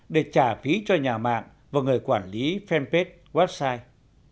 để trả phí cho nhà mạng và người quản lý fanpage website